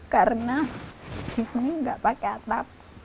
karena di sini enggak pakai atap